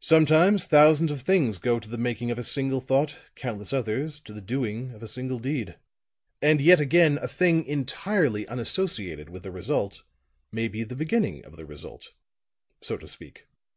"Sometimes thousands of things go to the making of a single thought, countless others to the doing of a single deed. And yet again, a thing entirely unassociated with a result may be the beginning of the result, so to speak.